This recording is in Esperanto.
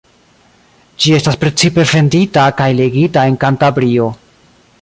Ĝi estas precipe vendita kaj legita en Kantabrio.